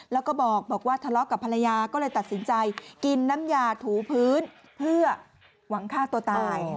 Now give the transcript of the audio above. แล้วก็บอกว่าทะเลาะกับภรรยาก็เลยตัดสินใจกินน้ำยาถูพื้นเพื่อหวังฆ่าตัวตาย